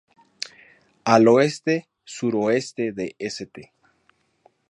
Al oeste suroeste de St.